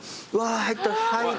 入ったら。